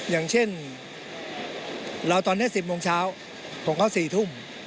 อย่างเช่นเราตอน๑๐โมงเช้าผมเข้า๑๖น